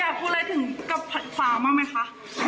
อยากพูดอะไรถึงกับขวามากมั้ยคะ